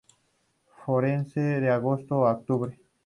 Florece de agosto a octubre.